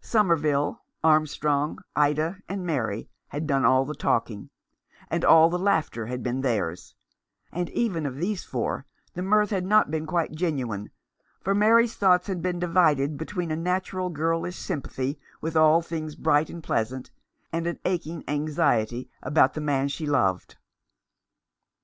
Somerville, Armstrong, Ida, and Mary had done all the talking, and all the laughter had been theirs — and even of these four the mirth had not been quite genuine, for Mary's thoughts had been divided between a natural girlish sympathy with all things bright and pleasant and an aching anxiety about the man she loved.